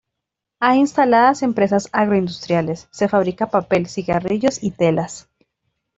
Hay instaladas empresas agro industriales, se fabrica papel, cigarrillos y telas.